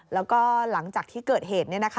แล้วก็หลังจากที่เกิดเหตุเนี่ยนะคะ